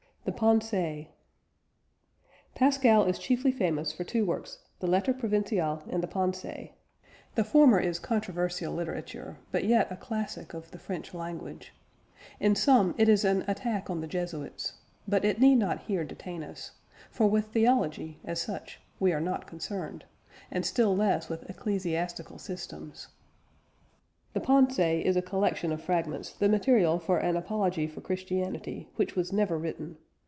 THE "PENSÉES." Pascal is chiefly famous for two works, the Lettres Provinciales and the Pensées. The former is controversial literature, but yet a classic of the French language: in sum, it is an attack on the Jesuits; but it need not here detain us, for with theology, as such, we are not concerned, and still less with ecclesiastical systems. The Pensées is a collection of fragments, the material for an Apology for Christianity which was never written.